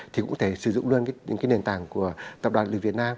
thì cũng có thể sử dụng luôn các nền tảng của tập đoàn lực lực việt nam